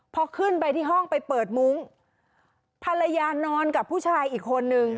พอขึ้นไปที่ห้องไปเปิดมุ้งภรรยานอนกับผู้ชายอีกคนนึง